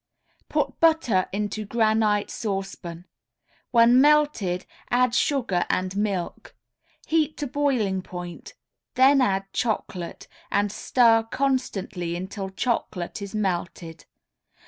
Put butter into granite saucepan; when melted add sugar and milk. Heat to boiling point; then add chocolate, and stir constantly until chocolate is melted.